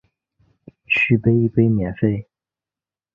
续杯一杯免费